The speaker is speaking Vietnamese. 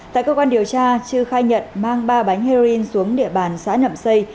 tại cơ quan điều tra chư khai nhận mang ba bánh heroin xuống địa bàn xã nậm xây